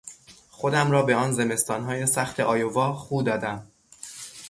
خودم را به آن زمستانهای سخت آیوا خو دادم.